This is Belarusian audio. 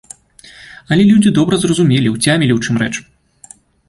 Але людзі добра зразумелі, уцямілі, у чым рэч.